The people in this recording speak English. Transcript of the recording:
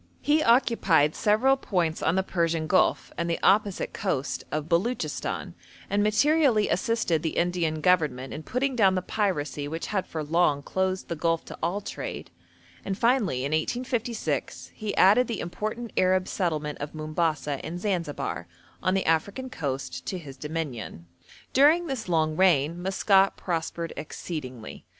He occupied several points on the Persian Gulf and the opposite coast of Beluchistan, and materially assisted the Indian Government in putting down the piracy which had for long closed the Gulf to all trade; and finally, in 1856, he added the important Arab settlement of Mombasa and Zanzibar, on the African coast, to his dominion. During this long reign Maskat prospered exceedingly.